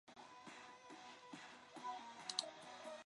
该物种的模式产地在江苏南京。